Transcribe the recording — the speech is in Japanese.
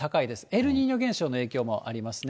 エルニーニョ現象の影響もありますね。